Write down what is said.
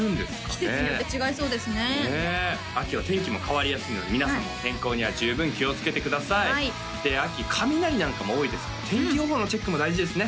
季節によって違いそうですねねえ秋は天気も変わりやすいので皆さんも天候には十分気をつけてくださいで秋雷なんかも多いですから天気予報のチェックも大事ですね